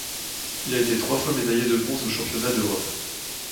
Il a été trois fois médaillé de bronze aux championnats d'Europe.